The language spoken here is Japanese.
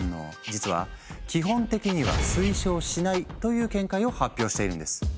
実は基本的には推奨しないという見解を発表しているんです。